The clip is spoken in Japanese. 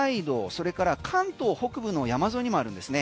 それから関東北部の山沿いにもあるんですね。